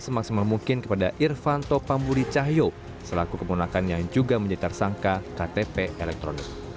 semaksimal mungkin kepada irvanto pamburi cahyo selaku kegunaannya yang juga menyejar sangka ktp elektronik